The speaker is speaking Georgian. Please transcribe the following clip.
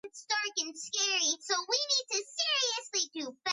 ძველ საქართველოში მუცლის მოშლა მკაცრად ისჯებოდა.